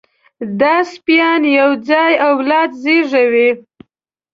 دا سپيان یو ځای اولاد زېږوي.